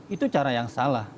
itu cara yang salah